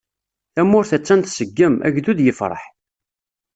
Tamurt attan tseggem, agdud yefreḥ.